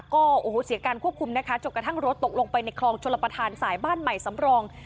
ก็โอ้โหเสียการควบคุมนะคะจนกระทั่งรถตกลงไปในคลองชลประธานสายบ้านใหม่สำรอง